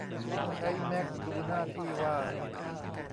ใช้แมคดูหน้าที่ว่า